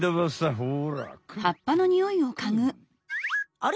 あれ？